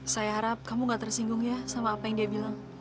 saya harap kamu gak tersinggung ya sama apa yang dia bilang